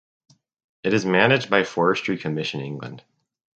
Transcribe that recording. It is managed by Forestry Commission England.